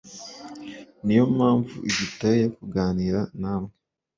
niyo mpamvu iduteye kuganira namwe